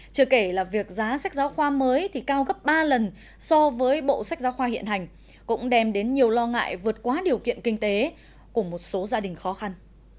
chưa kể là việc giá sách giáo khoa mới thì cao gấp ba lần so với bộ sách giáo khoa hiện hành cũng đem đến nhiều lo ngại vượt quá điều kiện kinh tế của một số gia đình khó khăn